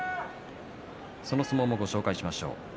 その相撲をご紹介しましょう。